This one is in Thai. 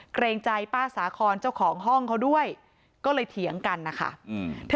เกรงใจป้าสาคอนเจ้าของห้องเขาด้วยก็เลยเถียงกันนะคะ